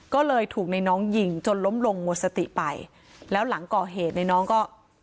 ก็เลยถูกในน้องยิงจนล้มลงหมดสติไปแล้วหลังก่อเหตุในน้องก็